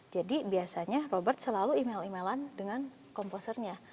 jadi biasanya robert selalu email emailan dengan komposernya